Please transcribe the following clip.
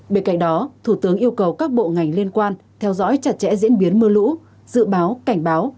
bên cạnh đó thủ tướng yêu cầu các bộ ngành liên quan theo dõi chặt chẽ diễn biến mưa lũ dự báo cảnh báo